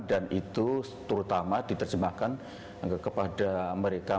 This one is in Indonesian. dan itu terutama diterjemahkan kepada mereka